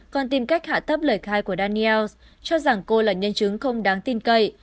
còn tìm cách hạ thấp lời khai của daniels cho rằng cô là nhân chứng không đáng tin cậy